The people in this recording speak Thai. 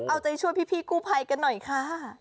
เอาใจช่วยพี่กู้ภัยกันหน่อยค่ะ